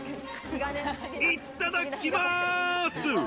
いただきます。